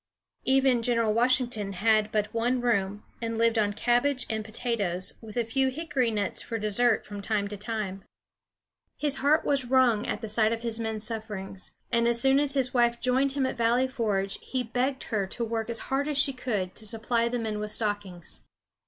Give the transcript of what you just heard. Even General Washington had but one room, and lived on cabbage and potatoes, with a few hickory nuts for dessert from time to time. His heart was wrung at the sight of his men's sufferings, and as soon as his wife joined him at Valley Forge, he begged her to work as hard as she could to supply the men with stockings.